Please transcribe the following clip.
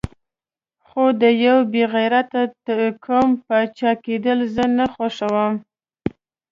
خو د یو بې غیرته قوم پاچا کېدل زه نه خوښوم.